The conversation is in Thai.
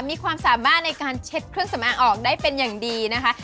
มีความสามารถในการเช็ดเครื่องสำอางออกได้เป็นอย่างดีนะคะ